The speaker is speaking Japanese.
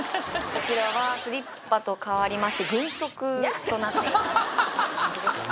こちらはスリッパと代わりまして軍足となっていますははははっ